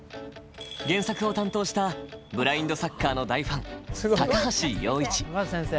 原作を担当したブラインドサッカーの大ファン高橋陽一。